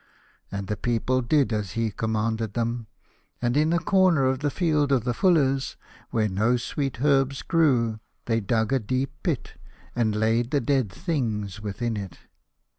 And the people did as he commanded them, and in the corner of the Field of the Fullers, where no sweet herbs grew, they dug a deep pit, and laid the dead things within it.